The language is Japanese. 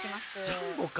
ジャンボか。